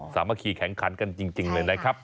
สามัคคีแข่งขันกันจริงเลยนะครับ